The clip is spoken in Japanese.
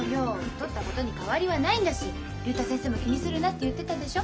太ったことに変わりはないんだし竜太先生も気にするなって言ってたでしょ。